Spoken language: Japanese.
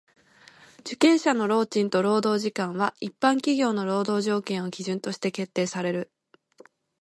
受刑者の労賃と労働時間は一般企業の労働条件を基準として決定される。